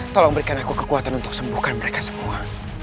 tolong berikan aku kekuatan untuk sembuhkan mereka semua